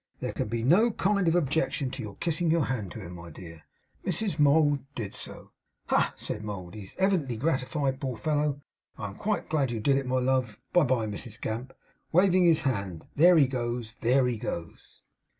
There can be no kind of objection to your kissing your hand to him, my dear.' Mrs Mould did so. 'Ha!' said Mould. 'He's evidently gratified. Poor fellow! I am quite glad you did it, my love. Bye bye, Mrs Gamp!' waving his hand. 'There he goes; there he goes!